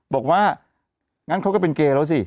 บอกว่างั้นเขาก็เป็นเกย์แล้วสิ